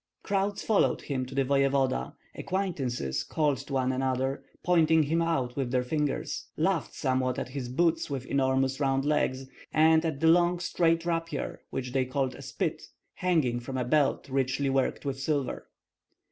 Crowds followed him to the voevoda; acquaintances called to one another, pointing him out with their fingers, laughed somewhat at his boots with enormous round legs, and at the long straight rapier, which they called a spit, hanging from a belt richly worked with silver.